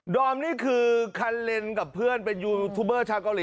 อมนี่คือคันเลนกับเพื่อนเป็นยูทูบเบอร์ชาวเกาเห